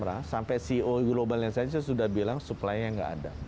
tadi saya kasih contoh actemra sampai ceo global nesense sudah bilang supply nya tidak ada